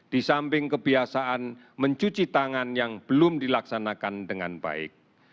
di samping kebiasaan mencuci tangan yang belum dilaksanakan dengan baik